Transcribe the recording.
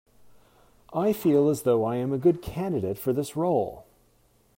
I feel as though I am a good candidate for this role.